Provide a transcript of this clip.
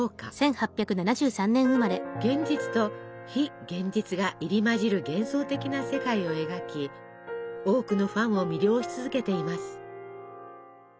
現実と非現実が入り混じる幻想的な世界を描き多くのファンを魅了し続けています。